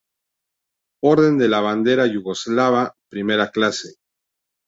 Orden de la Bandera Yugoslava primera clase.